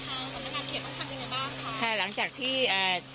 เขตต้องทำยังไงบ้างค่ะค่ะหลังจากที่อ่า